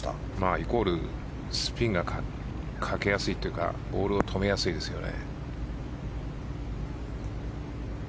イコールスピンがかけやすいというかボールを止めやすいですよね。